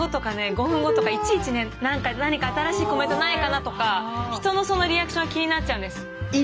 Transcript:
５分後とかいちいちね何か新しいコメントないかなとか人のそのリアクションが気になっちゃうんです。